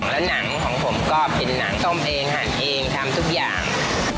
แล้วหนังของผมก็เป็นหนังต้มเองหั่นเองทำทุกอย่าง